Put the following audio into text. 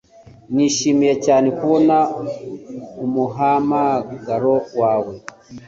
Nishimiye cyane kubona umuhamagaro wawe